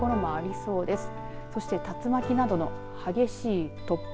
そして竜巻などの激しい突風